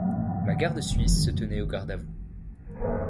La Garde Suisse se tenait au garde-à-vous.